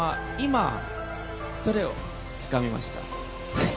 はい。